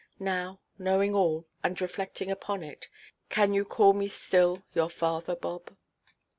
Now, knowing all, and reflecting upon it, can you call me still your father, Bob?"